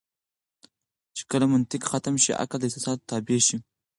چې کله منطق ختم شي عقل د احساساتو تابع شي.